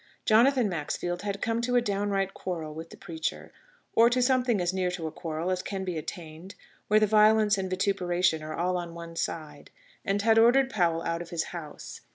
Jonathan Maxfield had come to a downright quarrel with the preacher or to something as near to a quarrel as can be attained, where the violence and vituperation are all on one side and had ordered Powell out of his house.